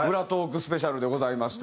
スペシャルでございまして。